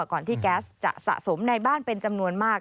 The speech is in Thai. ก่อนที่แก๊สจะสะสมในบ้านเป็นจำนวนมาก